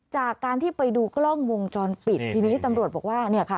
จากการที่ไปดูกล้องวงจรปิดทีนี้ตำรวจบอกว่าเนี่ยค่ะ